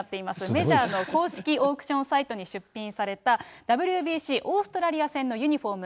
メジャーの公式オークションサイトに出品された、ＷＢＣオーストラリア戦のユニホーム。